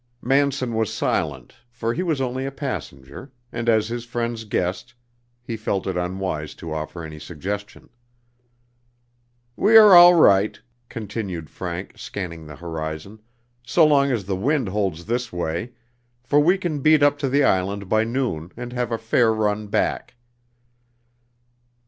Manson was silent, for he was only a passenger, and as his friend's guest, he felt it unwise to offer any suggestion. "We are all right," continued Frank, scanning the horizon, "so long as the wind holds this way, for we can beat up to the island by noon, and have a fair run back."